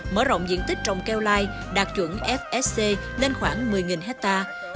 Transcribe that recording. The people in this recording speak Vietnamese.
mở rộng diện tích trồng keo lai đạt chuẩn fsc lên khoảng một mươi hectare